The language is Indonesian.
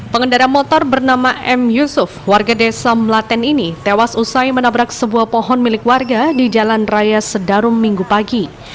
pengendara motor bernama m yusuf warga desa melaten ini tewas usai menabrak sebuah pohon milik warga di jalan raya sedarum minggu pagi